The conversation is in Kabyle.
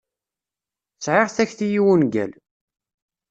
Sεiɣ takti i wungal.